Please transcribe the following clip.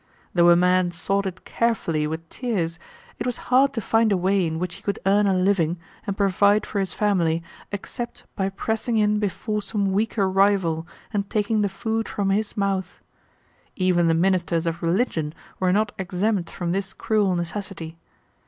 Though a man sought it carefully with tears, it was hard to find a way in which he could earn a living and provide for his family except by pressing in before some weaker rival and taking the food from his mouth. Even the ministers of religion were not exempt from this cruel necessity.